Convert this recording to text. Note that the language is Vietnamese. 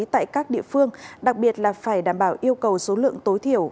tại các địa phương đặc biệt là phải đảm bảo yêu cầu số lượng tối thiểu